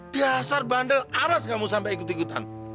dasar bandel alas kamu sampai ikut ikutan